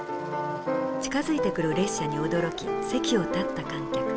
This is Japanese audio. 近づいてくる列車に驚き席を立った観客。